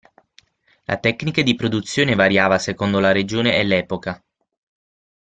La tecnica di produzione variava secondo la regione e l'epoca.